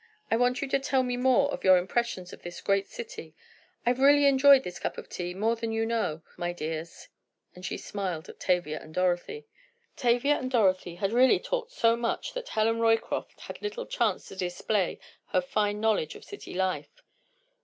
I want you to tell me more of your impressions of this great city. I've really enjoyed this cup of tea more than you know, my dears," and she smiled at Tavia and Dorothy. Tavia and Dorothy had really talked so much that Helen Roycroft had little chance to display her fine knowledge of city life.